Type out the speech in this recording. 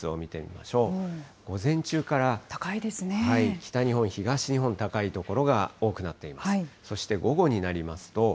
北日本、東日本、高い所が多くなっています。